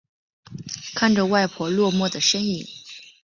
看着外婆落寞的身影